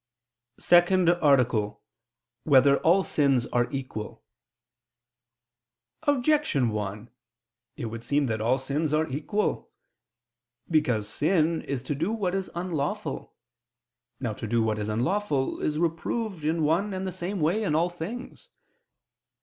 ________________________ SECOND ARTICLE [I II, Q. 73, Art. 2] Whether All Sins Are Equal? Objection 1: It would seem that all sins are equal. Because sin is to do what is unlawful. Now to do what is unlawful is reproved in one and the same way in all things.